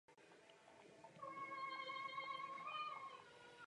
V zápase si zahrál i jeho tehdy jedenáctiletý syn.